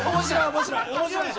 面白い面白い！